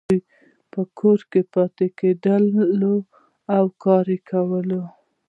دوی په کور کې پاتې کیدلې او کار یې کاوه.